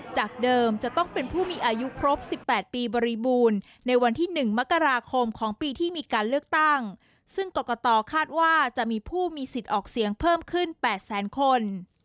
จากเดิมจะต้องเป็นผู้มีอายุครบ๑๘ปีบริบูรณ์ในวันที่๑มกราคมของปีที่มีการเลือกตั้งซึ่งกรกตคาดว่าจะมีผู้มีสิทธิ์ออกเสียงเพิ่มขึ้น๘แสนคน